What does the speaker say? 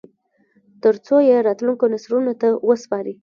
ترڅو یې راتلونکو نسلونو ته وسپاري